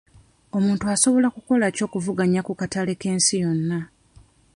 Omuntu asobola kukola ki okuvuganya ku katale k'ensi yonna?